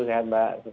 sehat mbak pandu